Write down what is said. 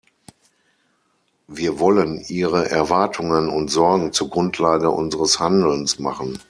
Wir wollen ihre Erwartungen und Sorgen zur Grundlage unseres Handelns machen.